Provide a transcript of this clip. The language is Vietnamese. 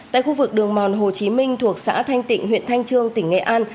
tại khu vực đường mòn hồ chí minh thuộc xã thanh tịnh huyện thanh trương tỉnh nghệ an